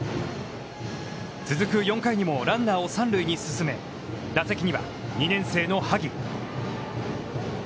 続く４回にもランナーを三塁に進め、打席には２年生の萩。